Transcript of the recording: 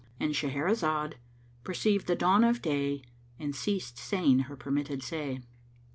"—And Shahrazad perceived the dawn of day and ceased saying her permitted say.